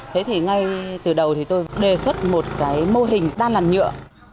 thế thì ngay từ đầu thì tôi đề xuất một cái mô hình đan làn nhựa